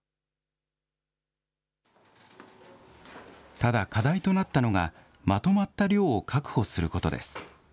ただ、課題となったのが、まとまった量を確保することです。